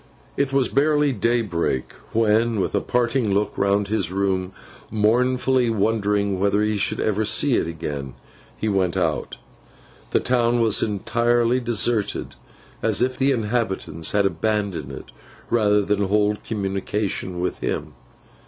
It was barely daybreak, when, with a parting look round his room, mournfully wondering whether he should ever see it again, he went out. The town was as entirely deserted as if the inhabitants had abandoned it, rather than hold communication with him.